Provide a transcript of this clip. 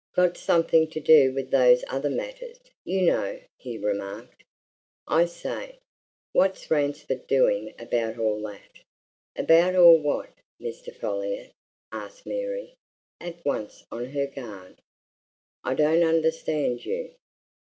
"Got something to do with those other matters, you know," he remarked. "I say! What's Ransford doing about all that?" "About all what, Mr. Folliot?" asked Mary, at once on her guard. "I don't understand you."